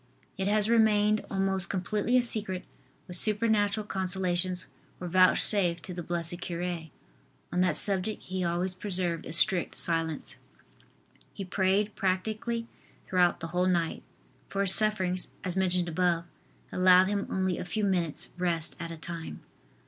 It has remained almost completely a secret what supernatural consolations were vouchsafed to the blessed cure. On that subject he always preserved a strict silence. He prayed practically throughout the whole night, for his sufferings, as mentioned above, allowed him only a few minutes rest at a time.